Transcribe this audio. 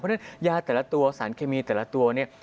เพราะฉะนั้นยาแต่ละตัวสารเคมีแต่ละตัวเนี่ย